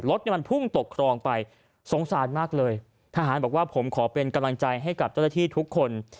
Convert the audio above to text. รถเนี่ยมันพุ่งตกครองไปสงสารมากเลยทหารบอกว่าผมขอเป็นกำลังใจให้กับเจ้าหน้าที่ทุกคน